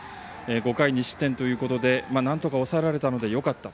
５回２失点ということでなんとか抑えられたのでよかった。